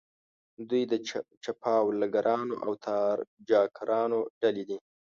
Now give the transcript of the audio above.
دوی د چپاولګرانو او تاراجګرانو ډلې دي.